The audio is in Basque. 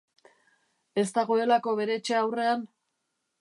Ez dagoelako bere etxe aurrean?